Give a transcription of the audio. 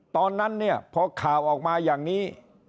ตอนนั้นเนี่ยพอข่าวออกมาอย่างนี้